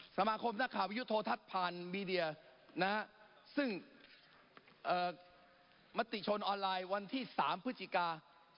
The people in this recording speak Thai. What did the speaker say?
สมาคมหน้าข่าวยุโทษทัศน์ผ่านมีเดียนะซึ่งมติชนออนไลน์วันที่๓พฤติกา๒๕๕๘